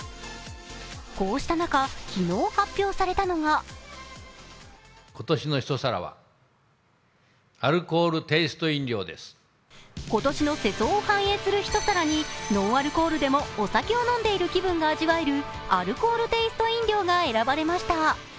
こうした中、昨日発表されたのが今年の世相を反映する一皿にノンアルコールでもお酒を飲んでいる気分が味わえるアルコールテースト飲料が選ばれました。